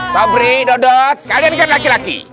sobri dodot kalian kan laki laki